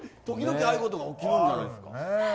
時々ああいうことが起きるんじゃないですかね。